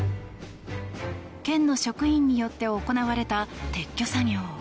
県の職員によって行われた撤去作業。